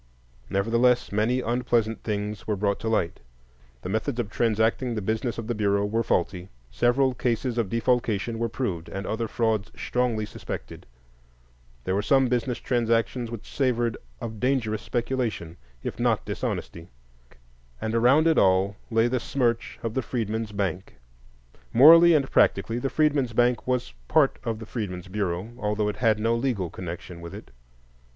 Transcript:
Nevertheless, many unpleasant things were brought to light,—the methods of transacting the business of the Bureau were faulty; several cases of defalcation were proved, and other frauds strongly suspected; there were some business transactions which savored of dangerous speculation, if not dishonesty; and around it all lay the smirch of the Freedmen's Bank. Morally and practically, the Freedmen's Bank was part of the Freedmen's Bureau, although it had no legal connection with it.